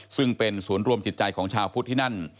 ซึ่งเป็นศูนย์รวมจิตใจของชาวพุทธที่นั่น